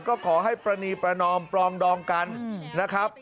ก็ขอให้ปรณีประนอมปลองดองกันนะครับ